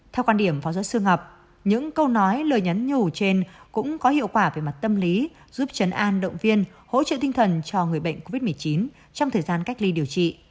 theo quan điểm phó giáo sư ngọc những câu nói lời nhắn nhủ trên cũng có hiệu quả về mặt tâm lý giúp chấn an động viên hỗ trợ tinh thần cho người bệnh covid một mươi chín trong thời gian cách ly điều trị